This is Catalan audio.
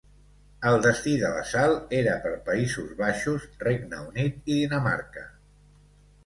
El destí de la sal era per Països Baixos, Regne Unit i Dinamarca.